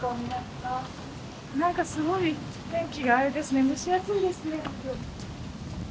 なんかすごい天気があれですね蒸し暑いですね今日。